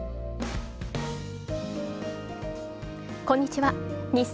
こんにちは。